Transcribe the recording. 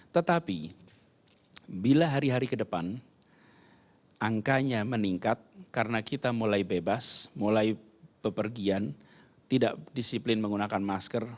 tetapi bila hari hari ke depan angkanya meningkat karena kita mulai bebas mulai pepergian tidak disiplin menggunakan masker